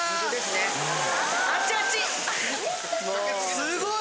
すごい！